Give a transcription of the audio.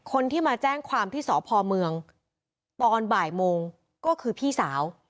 คนที่มาแจ้งความที่สพเมืองตอนบ่ายโมงก็คือพี่สาว